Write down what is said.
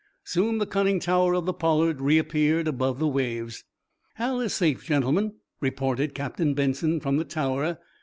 Soon the conning tower of the "Pollard" reappeared above the waves. "Hal is safe, gentlemen," reported Captain Benson, from the tower.